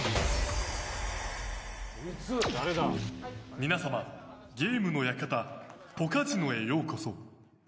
皆様ゲームの館ポカジノへようこそ。